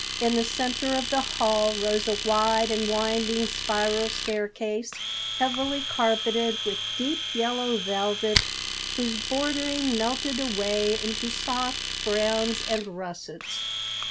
In the center of the hall rose a wide and winding spiral staircase, heavily carpeted with deep yellow velvet, whose bordering melted away into soft browns and russets.